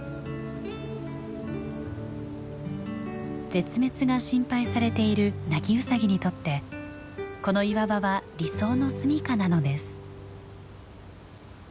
絶滅が心配されているナキウサギにとってこの岩場は理想の住みかなのです。